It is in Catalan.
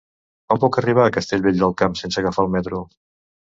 Com puc arribar a Castellvell del Camp sense agafar el metro?